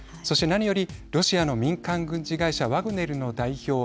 そして何よりロシアの民間軍事会社ワグネルの代表